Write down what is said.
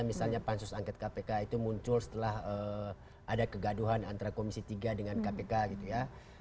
misalnya pansus angket kpk itu muncul setelah ada kegaduhan antara komisi tiga dengan kpk gitu ya